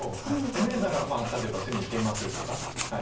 攻めるなら例えば隅にケイマするとか。